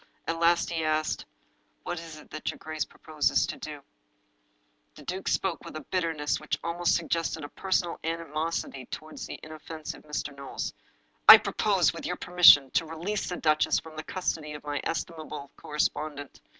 At last he asked :" What is it that your grace proposes to do ?" The duke spoke with a bitterness which almost suggested a personal animosity toward the inoffensive Mr. Knowles. " I propose, with your permission, to release the duchess from the custody of my estimable correspondent.